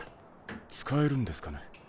使えるんですかね？